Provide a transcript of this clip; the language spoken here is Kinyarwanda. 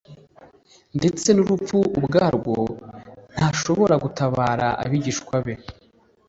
ndetse n'urupfu ubwarwo ntashobora gutabara abigishwa be?